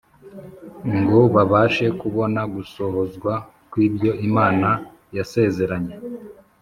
, ngo babashe kubona gusohozwa kw’ibyo Imana yasezeranye